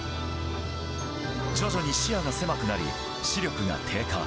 徐々に視野が狭くなり視力が低下。